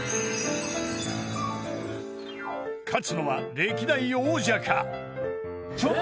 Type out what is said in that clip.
［勝つのは歴代王者か？］